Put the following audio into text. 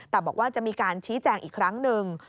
แต่บอกว่าจะมีการชี้แจงอีกครั้งหนึ่ง